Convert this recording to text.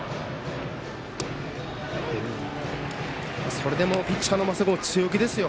それでもピッチャーの升田君、強気ですよ。